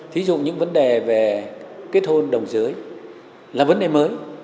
thí dụ những vấn đề về kết hôn đồng giới là vấn đề mới